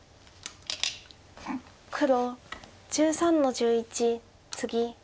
黒１３の十一ツギ。